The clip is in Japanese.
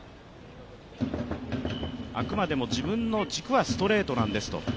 あくまでも自分の軸はストレートなんですと。